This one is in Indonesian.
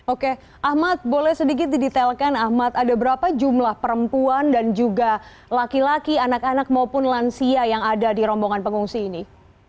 oke ahmad boleh sedikit didetailkan ahmad ada berapa jumlah perempuan dan juga laki laki anak anak maupun lansia yang ada di rombongan pengungsi ini